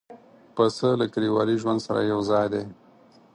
پسه له کلیوالي ژوند سره یو ځای دی.